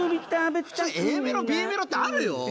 普通ＡメロＢメロってあるよ。